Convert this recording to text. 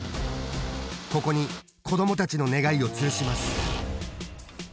ここに子どもたちの願いをつるします。